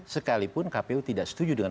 sekalipun kpu tidak setuju dengan